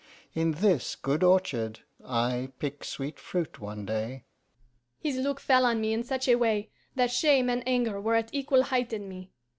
In this good orchard I pick sweet fruit one day.' His look fell on me in such a way that shame and anger were at equal height in me.